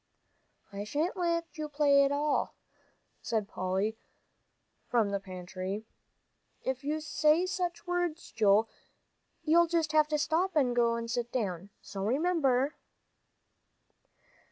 "I shan't let you play it at all," said Polly, from the pantry, "if you say such words, Joel. You'll just have to stop and go and sit down. So remember."